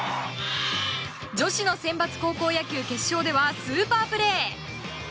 女子のセンバツ高校野球決勝ではスーパープレー。